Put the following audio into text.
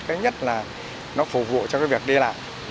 cái nhất là nó phục vụ cho cái việc đi lại